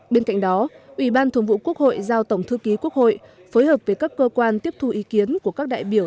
bên cạnh đó ủy ban thường vụ quốc hội giao tổng thư ký quốc hội phối hợp với các cơ quan tiếp thu ý kiến của các đại biểu